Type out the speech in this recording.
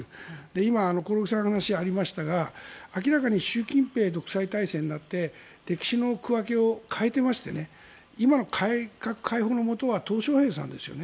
今、興梠さんの話にありましたが明らかに習近平独裁体制になって歴史の区分けを変えていまして今、改革開放のもとはトウ・ショウヘイさんですよね。